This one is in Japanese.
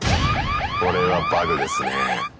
これはバグですね。